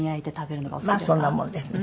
まあそんなもんですね。